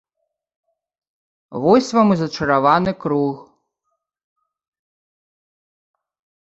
Вось вам і зачараваны круг.